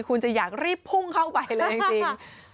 คุณจะอยากรีบพุ่งเข้าไปเลยค่ะ